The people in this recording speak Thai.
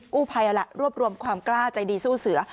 กู้ภัยเอาล่ะรวบรวมความกล้าใจดีสู้เสือ